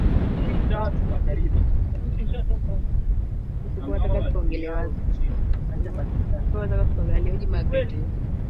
Kwahiyo unataka tukaongelee wapi Alihoji Magreth